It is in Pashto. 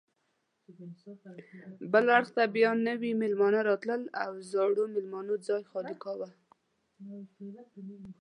بل اړخ ته بیا نوي میلمانه راتلل او زړو میلمنو ځای خالي کاوه.